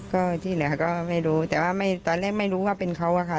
ก็ที่เหลือก็ไม่รู้แต่ว่าตอนแรกไม่รู้ว่าเป็นเขาอะค่ะ